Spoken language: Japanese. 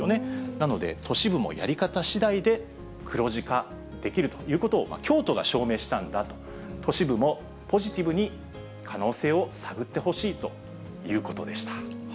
なので、都市部もやり方しだいで黒字化できるということを京都が証明したんだと、都市部もポジティブに可能性を探ってほしいということでした。